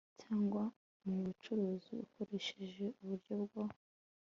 cyangwa mubucuruzi ukoresheje uburyo bwo